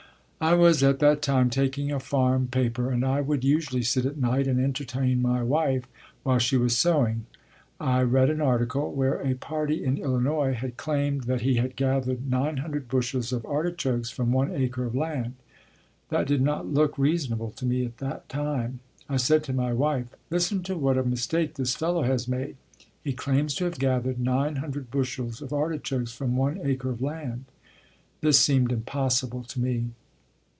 I was at that time taking a farm paper and I would usually sit at night and entertain my wife, while she was sewing. I read an article, where a party in Illinois had claimed that he had gathered 900 bushels of artichokes from one acre of land. That did not look reasonable to me at that time. I said to my wife: "Listen to what a mistake this fellow has made. He claims to have gathered 900 bushels of artichokes from one acre of land." This seemed impossible to me.